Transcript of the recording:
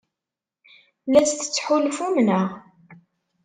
La as-tettḥulfum, naɣ?